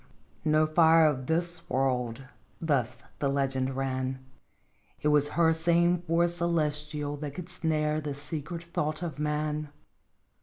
' No fire of this world 'thus the legend ran ;' T was her same force celestial that could snare The secret thought of man